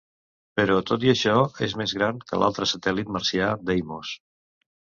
Però tot i això, és més gran que l'altre satèl·lit marcià, Deimos.